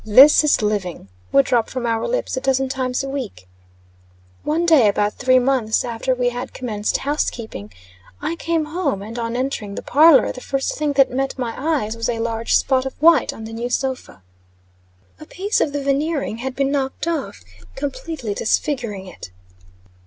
"This is living," would drop from our lips a dozen times a week. One day, about three months after we had commenced housekeeping, I came home, and, on entering the parlor, the first thing that met my eyes was a large spot of white on the new sofa. A piece of the veneering had been knocked off, completely disfiguring it.